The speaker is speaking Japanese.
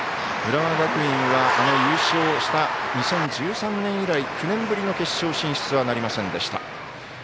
浦和学院は優勝した２０１３年以来９年ぶりの決勝進出はなりませんでした。